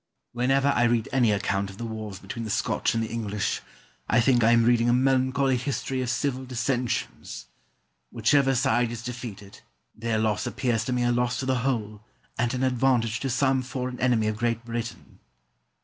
Argyle. Whenever I read any account of the wars between the Scotch and the English, I think I am reading a melancholy history of civil dissensions. Whichever side is defeated, their loss appears to me a loss to the whole and an advantage to some foreign enemy of Great Britain.